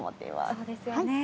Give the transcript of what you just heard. そうですよね。